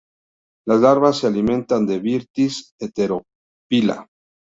Las larvas se alimentan de "Vitis heterophylla".